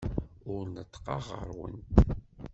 Ur neṭṭqeɣ ɣer-went.